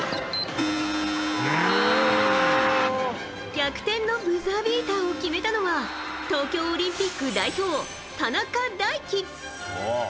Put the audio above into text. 逆転のブザービーターを決めたのは東京オリンピック代表田中大貴。